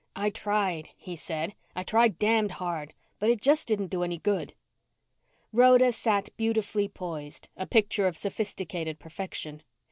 "I tried," he said. "I tried damned hard. But it just didn't do any good." Rhoda sat beautifully poised, a picture of sophisticated perfection.